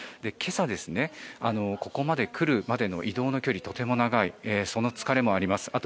今朝、ここまで来るまでの移動の距離とても長いその疲れもあります。